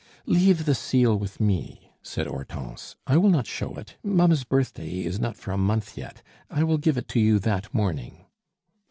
"Leave the seal with me," said Hortense; "I will not show it mamma's birthday is not for a month yet; I will give it to you that morning."